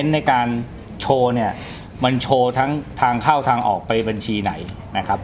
ในการโชว์เนี่ยมันโชว์ทั้งทางเข้าทางออกไปบัญชีไหนนะครับ